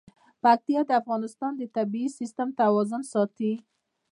پکتیا د افغانستان د طبعي سیسټم توازن ساتي.